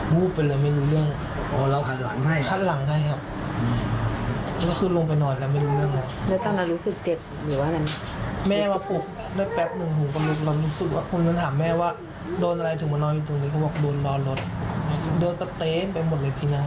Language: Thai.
แบบโดนอะไรถึงมานอนอยู่ตรงนี้เขาบอกโดนลอร์ดโดนทะเต๊มไปหมดเลยที่นั้น